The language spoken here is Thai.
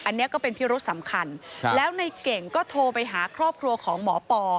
อันนี้ก็เป็นพิรุษสำคัญแล้วในเก่งก็โทรไปหาครอบครัวของหมอปอ